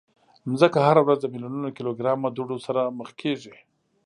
مځکه هره ورځ د میلیونونو کیلوګرامه دوړو سره مخ کېږي.